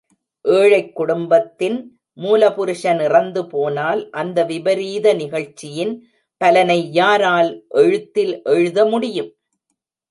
ஏழைக் குடும்பத்தின் மூலபுருஷன் இறந்துபோனால், அந்த விபரீத நிகழ்ச்சியின் பலனை யாரால் எழுத்தில் எழுதமுடியும்?